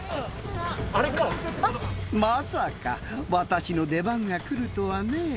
・あれか・まさか私の出番が来るとはね。